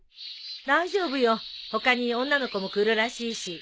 大丈夫よ他に女の子も来るらしいし。